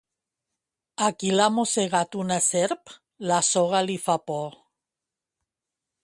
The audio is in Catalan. A qui l'ha mossegat una serp, la soga li fa por.